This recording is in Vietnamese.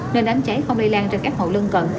nên đám cháy không lây lan trên các hộ lân cận